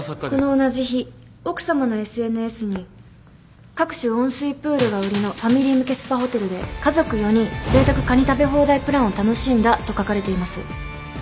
この同じ日奥さまのＳＮＳに各種温水プールが売りのファミリー向けスパホテルで「家族４人ぜいたくカニ食べ放題プランを楽しんだ」と書かれています。